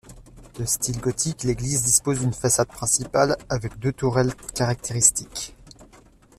De style gothique, l'église dispose d'une façade principale avec deux tourelles caractéristiques.